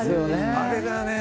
あれがね。